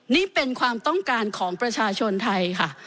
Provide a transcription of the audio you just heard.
นี่เป็นความต้องการของประชาชนไทยค่ะ